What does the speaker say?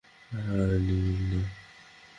আর নিবেন না?